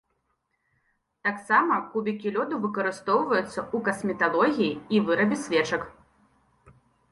Таксама кубікі лёду выкарыстоўваюцца ў касметалогіі і вырабе свечак.